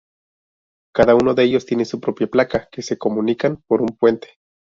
Cada uno de ellos tiene su propia placa que se comunican por un puente.